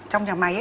trong nhà máy